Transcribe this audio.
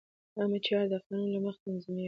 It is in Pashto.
عامه چارې د قانون له مخې تنظیمېږي.